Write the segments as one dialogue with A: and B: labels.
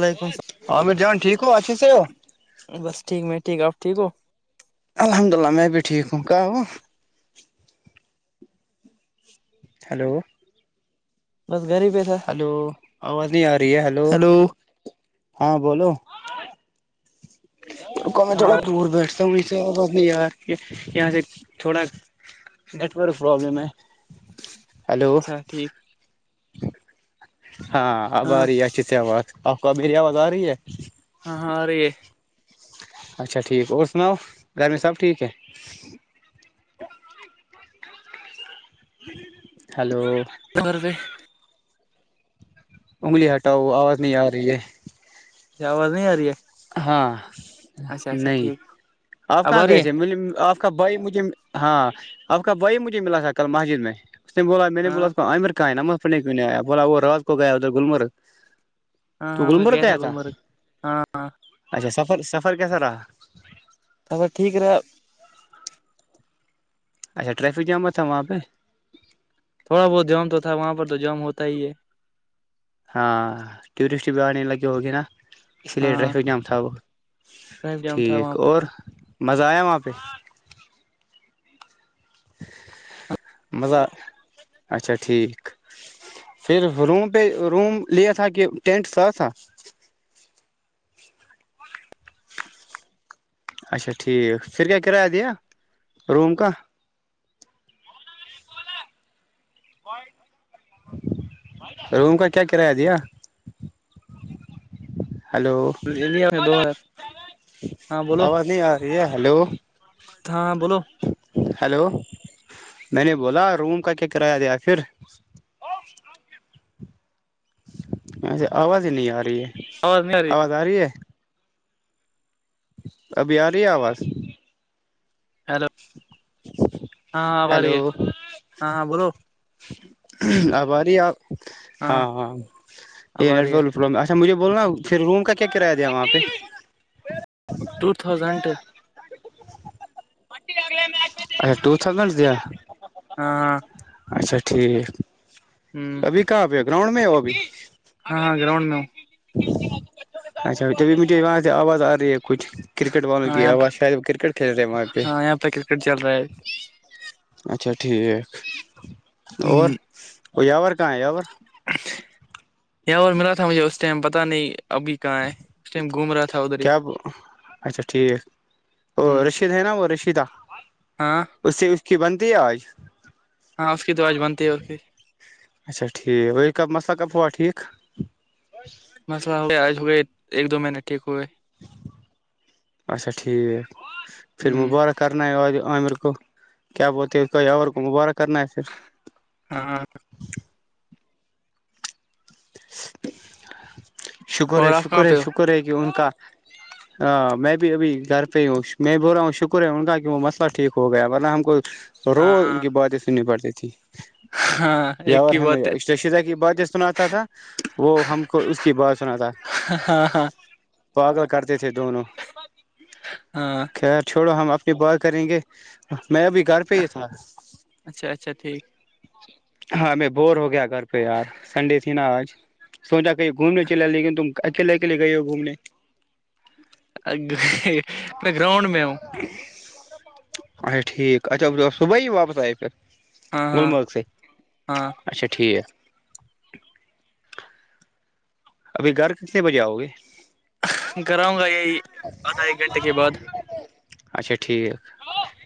A: وعلیکم
B: عامر جان ٹھیک ہو اچے سے ہو
A: السلام بس ٹھیک میں ٹھیک آپ ٹھیک ہو
B: الحمد للہ میں بیٹھا ٹھیک ہو کہ وہ ہلو
A: بس گری پہ تھا
B: آواز ت نہیں آ رہی ہے ہلو
A: ہیلو
B: ہاں بولو تو ک میں
A: ہاں
B: تھوڑا دور بیٹ [unintelligible] تو یار کہ یہاں سے تھوڑا نیٹورک پرابلم ہے ہلو
A: اچھا ٹھیک
B: ہاں آباری چ سے آواز [unintelligible] کبیریا وگا رہی ہے [unintelligible]
A: ہاں ہاں ا رہے
B: اچھا ٹھیک اور سناؤ گرمی سب ٹھیک ہے ہلو
A: کرھرو [unintelligible]
B: انگلی ہٹاؤو آواز نہیں آ رہی ہے
A: آواز نہیں آ رہی ہے
B: ہاں
A: اچھا اچھا
B: نہیں
A: ٹھیک
B: آپ
A: اب
B: کہاں
A: آ رہی
B: گئے
A: ہے
B: تھے مجھے آپ [unintelligible] آ کا بھائی مجھے ہاں آپ کا بھائی مجھے ملا تھا کل مسجد میں [unintelligible] اس ب
A: ہاں
B: ب عمر کایں نم [unintelligible] سنے کیوں نہیں آیا بولا وہ راز کو گیا ادھر گمرگ [unintelligible]
A: ہاں ہاں میں گئے تھا گلمرگ ہاں
B: اچھا سفر سفر کیسا رہا
A: تب ٹھیک رہا [unintelligible]
B: اچھا ٹریفک جام تھا وہاں پہ [unintelligible]
A: تھوڑا بہت جام تو تھا وہاں پر تو جام ہوتا ہی ہے
B: ہاں ٹورسٹ بھی آانی لگ ہوگے نا اس لیے
A: ہاں
B: ٹریفک جیام تھو
A: ٹریفک جام تھا
B: ٹھیک
A: وہاں
B: اور
A: پر
B: مزہ آیا وہاں پہ ملب اچھا ٹھیک پھر روم پہ روم لیا تھا کہ ٹینٹ صاف تھا اچھا ٹھیک پھر کیا کیا کرایہ دیا روم کا روم کا کیا کرایہ دیا [unintelligible] ہلو
A: دو ہاں بولو
B: آواز نہیں آ رہی ہے ہلو [unintelligible]
A: ہاں بولو [unintelligible]
B: ہیلو میں نے بولا روم کا کیا کرایہ دیا پھر اچھا آواز ہی نہیں آ رہی ہے [unintelligible] آواز آ رہی ہے [unintelligible] ابھی آ رہی ہے آواز
A: ہیلو ہاں ہ آباری
B: ہیلو
A: ہے ہاں ہاں بولو [unintelligible]
B: ہماری آپ [unintelligible] ہاں ہاں ف
A: اب آ رہی ہے
B: [unintelligible] ار مجھ بول رہنا ہو [unintelligible] پھر روم کا کیا کرایہ دیا وہاں پہ
A: ٹو لگ میں [unintelligible]
B: اے ٹو تھاؤزن دیا [unintelligible]
A: ہاں [unintelligible]
B: اچھا ٹھیک [unintelligible] ابھی کہاں پہ گراؤنڈ میں ہو ابھی
A: ہاں ہاں گراؤنڈ میں ہوں
B: اچھا تبھی مجھے وہاں سے آواز آ رہی ہے [unintelligible] کچھ کرکٹ والوں کی
A: ہاں
B: آواز شاید وہ کرکٹ کھیل رہے وہاں پہچ
A: ہاں یہاں پہ کرکٹ چل رہا ہے
B: [unintelligible] اچھا ٹھیک [unintelligible] اور اور ور کہاں ہے یاور [unintelligible]
A: یا اور ملا تھا مجھے اس ٹائم پتہ نہیں [unintelligible] ابھی کہاں ہے اس ٹائم گھوم رہا تھا [unintelligible]
B: کیا اچھا ٹھیک وہ
A: ہ
B: رشید ہے نا وہ رشید آ [unintelligible]
A: ہاں
B: اس سے اس کی بنتی ہے آج
A: ہاں اس کی تو آج بنتی ہے اور پھر
B: اچا ٹھیک وہ کب مسئلہ کپ کوا ٹھیک
A: مسلہ ہو آ گ ایک دو مہینٹ
B: اچھا ٹھیک پھر
A: ہ
B: مبارک کرنا آ امرک کیپ بتیک مبار کرنا ہے پھر
A: ہاں
B: شکر ہے
A: اور آپ کہاں
B: شکر ہے
A: پہ ہو
B: شکر ہے کہ ان کا ہاں میں بھی ابھی گھر پہ ہی ہوں میں بول رہا ہوں شکر ہے ان کا کہ وہ مسئلہ ٹھیک ہو گیا ورنہ ہم کو رو ان
A: ہاں
B: کی باتیں سننی پڑتی تھی
A: ہاں
B: جی یا
A: ایک
B: اور
A: کی
B: ہمیں
A: بات ہے
B: اشرشیدہ کی باتیں سناتا تھا وہ ہم کو اس ش بت سنا تھا
A: ہاں ہاں
B: پال کا تھے دونوں
A: ہاں
B: خیر چھوڑو ہم اپ یہ بات کریں گے میں ابھی گھر بھیج تھا
A: اچھا اچھا ٹھیک
B: ہاں میں بور ہو گیا گھر پہ یار سنڈے تھی نا آج سوٹا گھومنے چلا لیکن تم اکیلے اکیلے گئے ہو گھومنے
A: ا
B: ہاں رہا اچا ٹھیک اچا صبح واپس آے پھر
A: ہاں ہاں
B: گللمرگ س
A: ہاں
B: اچھا ٹھیک ابھی گھر کتنے بجے آؤ گے
A: گھراؤں گا یہی آدھا ایک گھنٹے کے بعد
B: اچھا ٹھیک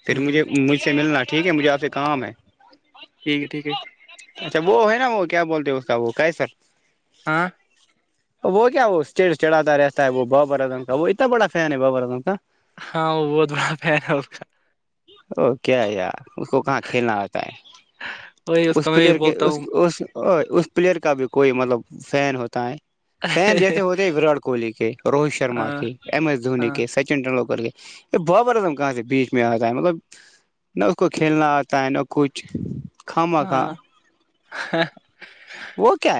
B: پھر
A: ہ
B: مجھے مجھ سے ملنا ٹھیک ہے مجھے آپ سے کام ہے جی
A: ٹھیک ہے ٹھیک ہے
B: اچھا وہ ہے نا وہ کیا بولتے ہیں اس کا وہ کہے سر
A: ہاں
B: اب وہ کیا وہٹی چڑاتتا ہے رہتا ہے وہ بابا ردن کا وہ اتنا بڑا فین ہے بابر ردن کا [unintelligible]
A: ہاں وہ بہت بڑا فین ہے اس کا
B: او کیا یار اس کو کہاں کھیلنا آتا ہے
A: وہی
B: اس
A: کا میں
B: پلیئر
A: بھی
B: کے
A: بولتا
B: اس اس اس پلیئر کا بھی کوئی مطلب فین ہوتا ہے فین
A: ہوں
B: جیسے ہوتے ہیں وراٹ کوہلی کے روہت شرما
A: ہاں
B: کے ایم ایس دھونی
A: ہاں
B: کے سچن ٹینڈولکر کے ا بابر اعظم کہاں سے بیچ میں آ مطلب نہ اس کو کھیلنا آتا ہے نہ کچھ کھم آاکا
A: ہاں
B: وہ کیا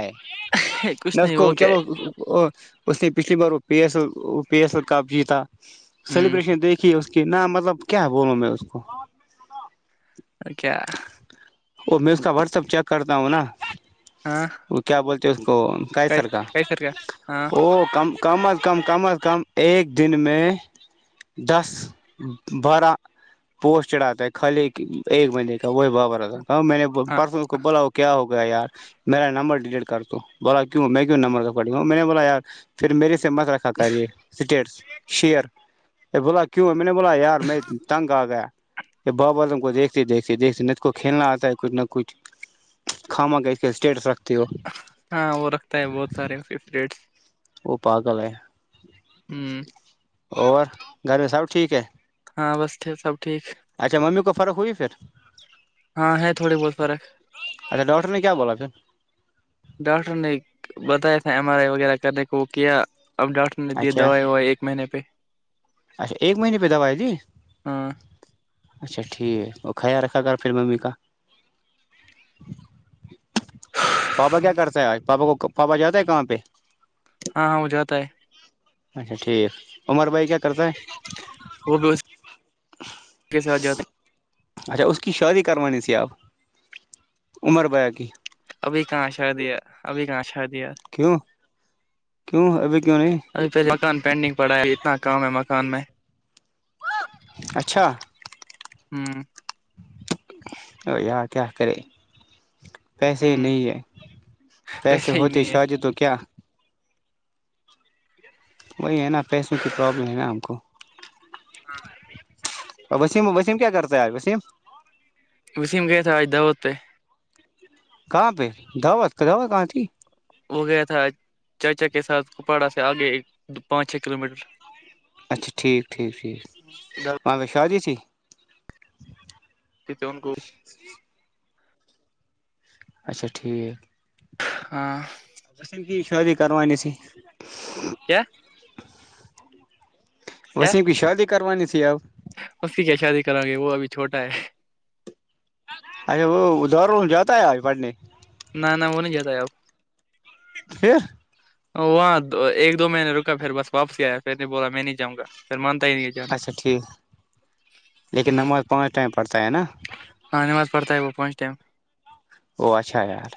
A: کچھ
B: ہےس
A: نہیں
B: کو
A: وہ کیا
B: چلو اس نے پچھلی بار وہ P S L P S L cup جیتا [unintelligible]
A: ہ
B: سیلیبریشن دیکھی [unintelligible] کہ نہ مطلب کیا ہے بولوں میں اس کو [unintelligible]
A: ا کیا [unintelligible]
B: وہ میں اس کا واٹسپ چیک کرتا ہوں نا [unintelligible]
A: ہاں
B: وہ کیا بولتے اس کو کا سر کا
A: کئی سر ہاں
B: ا کم کم از کم کم از کم [unintelligible] ایک دن میں دس بارہ پوسٹ چڑھاتا خالی ایک منےے [unintelligible] وہی بابا کہ میں نے
A: ہاں
B: پرسوں کو بولا وہ کیا ہوگا [unintelligible] گیا یار میرا نمبر ڈیلیٹ کر دو بولا کیوں میں کیوں نمبر رکڑی ہوں میں نے بولا یار پھر میرے سے [unintelligible] سے مت رکھا کر یہ سٹیٹس شئیر [unintelligible] ا بولا کیوں ہے میں نے بولا یار میں تنگ آ گیا یہ بابا تم کو دیکھتے دیکھتے [unintelligible] دھ نچ کو کھیلنا آتا ہے کچھ نہ کچھ کاما کہ اس کے اسٹیٹ سر [unintelligible]
A: ہاں وہ رکھتا ہے بہت سارے فٹس [unintelligible]
B: او پک لے
A: ہ
B: [unintelligible] اور گھر میں سب [unintelligible] ٹھیک ہے
A: ہاں بسٹے سب ٹھیک [unintelligible]
B: اچھا ممی کو فرق ہوئی پھر [unintelligible]
A: ہاں ہے تھوڑی بہت فرق [unintelligible]
B: اچھا ڈاکٹر نے کیا بولا پھر [unintelligible]
A: ڈاکٹر نے بتایا تھا ایم آر آئی وغیرہ کرنے کو وہ کیا [unintelligible] اب ڈاکٹر نے دیے
B: اچھا
A: دوائی وائی ایک مہینے پہ
B: اچھا ایک مہینے پہ دوا ہے جی
A: ہاں
B: [unintelligible] اچھا ٹھیک ہے وہ کھیا رکھا کر پھر ممی کا [unintelligible] پاپا
A: ہاں
B: کیا کرتے ہیں آج پاپا کو [unintelligible] پاپا جاتا ہے کہاں پہ
A: ہاں ہاں وہ جاتا ہے
B: اچھا ٹھیک عمر بھائی کیا کرتا ہے
A: وہ بھی اس کے ساتھ جاتا
B: اچھا اس کی شادی کروانی سھی آپ عمر بیا کی
A: ہے ابھی کہاں شا دیا ابھی کہاں شا د
B: کیوں کیوں ابھی کیوں نہیں
A: ا پہ مکان پینڈنگ پڑا ہے اتنا کام ہے مک کان میں
B: اچھا
A: ہاں
B: ا یا کیا کرے پیسے
A: ہ
B: نہیں ہے پیسے
A: ویسے ہی
B: ہوتے
A: نہیں ہے
B: شاہجہ تو کیا وہی ہے نا پیسوں کی پرابلم ہے نا ہم کو
A: ہاں
B: اور وسیم وسیم کیا کرتا ہے آج وسیم
A: اس میں گئے تھا آج دعوت پہ
B: کہاں پہ دعوت کا دوت کہاں تھی
A: وہ گیا تھا چاچا کے ساتھ کپواڑہ سے آگے دو پانچ چھ کلو میٹر
B: اچھا ٹھیک ٹھیک ٹھیک شاہجیسیی
A: کہ تو ان کو
B: اچھا ٹھیک
A: ہاں
B: وسم کی شادی کروانی ت
A: کیا
B: [inaudible]
A: کیا
B: وسے بھی شال کرانی تھی آب
A: اس کی کیا شادی کرو گے وہ ابھی چھوٹا ہے
B: اچے وہ دار جتا ہے اج پڑنے
A: نہ نہ وہ نہیں جا ہے اب
B: پھر
A: وہاں ایک دو مہنے رکا پھر بس واپس گیا پھر نہیں بولا میں نہیں جاؤں گا پھر مان
B: اچھا ٹھیک لیکن
A: ہ
B: نماز پانچ ٹائم پ
A: ہاں نماز پڑتا ہے پانچ ٹائم
B: وہ اچھا یار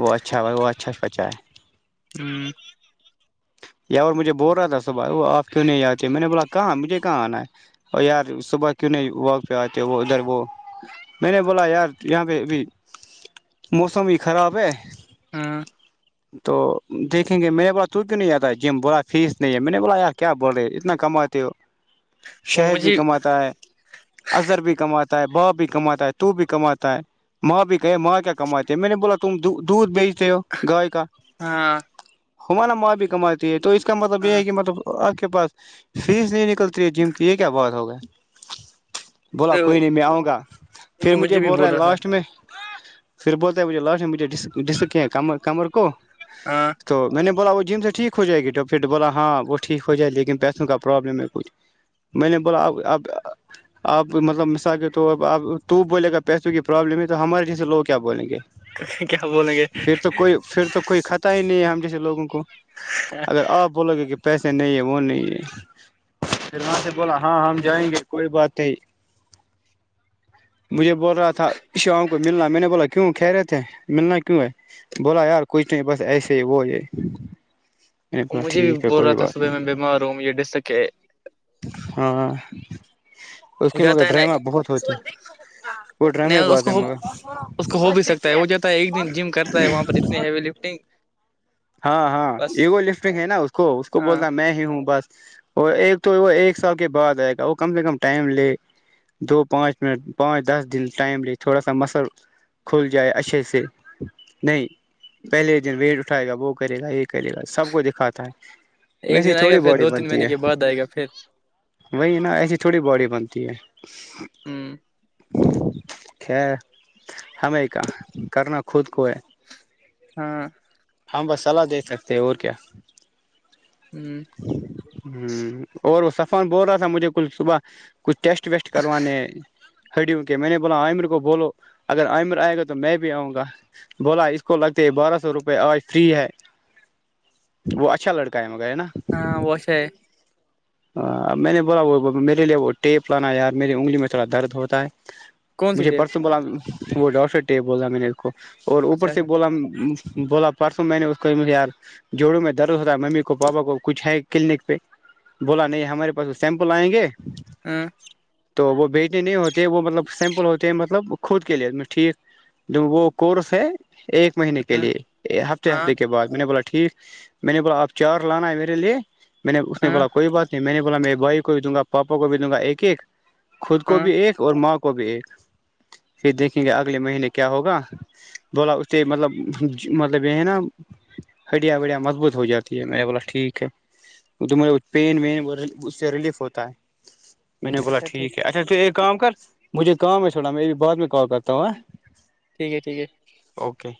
B: وہ اچھا ب وہ اچھا بچا ہے
A: ہوں
B: یار مجھے بول رہا تھا صبح وہ آپ کیوں نہیں آتے میں نے بولا کہاں مجھے کہاں آنا ہے اور یار صبح کیوں نہیں وت پہ آتے وہ ادھر وہ میں نے بولا یار یہاں پہ ابھی موسم ہی خراب ہے
A: ہاں
B: تو دیکھیں گے میں نے بولا تو کیوں نہیں آتا جم بولا فیس نہیں ہے میں نے بولا یار کیا بول رہے اتنا کماتے ہو
A: وہ
B: شہد بھی
A: مجھے
B: کماتا ہے اظہر بھی کماتا ہے باپ بھی کماتا ہے تو بھی کماتا ہے ماں بھی کہے ماں کیا کماتے میں نے بولا تم دودھ بیچتے ہو گائے کاا
A: ہاں
B: ہمارا ماں بھی کماتی ہے تو اس کا مطلب یہ
A: ہاں
B: ہے کہ مطلب پاس فیس نہیں نکلتی ہے جم کی یہ کیا بات ہوگا بولا کوئی نہیں میں آؤں گا پھر مجھے بول رہا ہے لاسٹ میں پھر بولتا ہے مجھے لاش مجھے ڈسک کم کمر کو
A: ہاں
B: تو میں نے بولا وہ جم سے ٹھیک ہو جائے گی ڈاپ پھرٹ بولا ہاں وہ ٹھیک ہو جائے لیکن پیسوں کا پرابلم ہے کچھ میں نے بولا اب اب آپ مطلب مثال کے طور پر آپ تو بولے ا گا پیسوں کی پرابلم ہے تو ہمارے جیس سے لوگ کیا بولیں گے
A: کیا ہوب لگے
B: پھر تو کوئی پھر تو کوئی خطا ہی نہیں ہے ہم جیسے لوگوں کو اگر آپ بولو گے کہ پیسے نہیں ہے وہ نہیں ہے پھر وہاں سے بولا ہاں ہم جائیں گے کوئی بات نہیں مجھے بول رہا تھا شام کو ملنا میں نے بولا کیوں کہہ رہے تھے ملنا کیوں ہے بولا یار کچھ نہیں بس ایسے ہی وہ ہے میں نے بولا
A: مجھے بھی
B: ٹھیک
A: بول رہا
B: کوئی
A: تھا
B: بات
A: صبح میں
B: نہیں
A: بیمار ہوں یہ ڈس سکے
B: ہاں اس
A: ہو
B: کے مگر
A: جاتا ہے
B: ڈرامہ بہت ہوتے
A: نہیں
B: وہ
A: نہیں
B: ڈرامے
A: اس
B: بات
A: کو
B: ہے مگر
A: اس کو ہو بھی سکتا ہے وہ جاتا ہے ایک دن جم کرتا ہے وہاں پہ ہیوی لفٹنگ
B: ہاں ہاں
A: بس
B: ایگو لفٹنگ ہے نا اس کو اس کو
A: ہاں
B: بولنا میں ہی ہوں بس اور ایک تو وہ ایک سال کے بعد آئے گا وہ کم سے کم ٹائم لے دو پانچ منٹ پانچ دس دن ٹائم لے تھوڑا سا مسل کھل جائے اچھے سے نہیں پہلے دن ویٹ اٹھائے گا وہ کرے گا ایک ے گا سب کو دکھاتا ہے
A: ایک
B: ویسی
A: دن آئے گا
B: تھوڑی
A: پھر
B: باڈی
A: دو تین
B: بنتی
A: مہینے کے
B: ہے
A: بعد آئے گا پھر
B: وہی نا ایسی تھوڑی باڈی بنتی ہے
A: ہ
B: [inaudible] [inaudible] خیر ہمیں کہ کرنا خود کو ہے
A: ہاں
B: ہاں بس صلاح دیکھ سکتے ہیں اور کیا ہ اور وہ سا فون بول رہا تھا مجھے کل صبح کچھ ٹیسٹ ویسٹ کروانے ہڈی ہوں کے میں نے بولا عمر کو بولو اگر عئمر آئے گا تو میں بھی آؤں گا بولا اس کو لگتے بارہ سو روپئے آج فری ہے وہ اچھا لڑکا ہے م
A: ہاں وہوش ہے
B: ہب میں نے بولا وہ میرے لیے وہ ٹیپ لانا یار میری انگلی میں تھوڑا درد ہوتا ہے
A: کون سی
B: مجھے
A: ٹیپ
B: پرسوں بلا وہ ڈا سرٹی بول رہ ہے میں نے اس کو اور اوپر
A: اچھا
B: سے
A: اچھا
B: بولا بولا پرسوں میں نے اس کو یار جوڑوں میں درد ہوتا ہے ممی کو پاپا کو کچھ ہے کلینک پہ بولا نہیں ہمارے پاس وہ سیمپل آئیں گے
A: ہاں
B: تو وہ بھیجنے نہیں ہوتے وہ مطلب سمپل ہوتے ہیں مطلب خود کے لی ٹھیک د وہ کورس ہے ایک مہینے کے
A: ہاں
B: لیے ہفتے
A: ہاں
B: ہفتے کے بعد میں نے بولا ٹھیک میں نے بولا آپ چار لانا ہے میرے لیے میں نے
A: ہاں
B: بولا [unintelligible] میں نے بولا میرے بھائی کو بھی دوں گا پاپا کو بھی دوں گا ایک ایک خود کو
A: ہاں
B: بھی ایک اور ماں کو کو بھی ایک پھر دیکھیں گے اگلے مہینے کیا ہوگا بولا استے مطلب مطلب یہ ہے نا ہڈیا بڈیا مضبوط ہو جاتی ہے میں بولا ٹھیک ہے پین وین اس سے ریلیف ہوتا ہے میرے
A: اچھا
B: بوا
A: اچھا
B: ٹھیک ہے اچھا تو ایک کا کر [unintelligible] مجھے کام ہے تھوا میں ا بھی بعد میں کال کرتا
A: ٹھیک ہے ٹھیک ہے
B: اوکے